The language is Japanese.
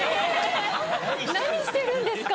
何してるんですか？